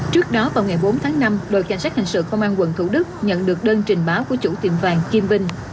trước đó vào ngày bốn tháng năm đội cảnh sát hình sự công an quận thủ đức nhận được đơn trình báo của chủ tiệm vàng kim vinh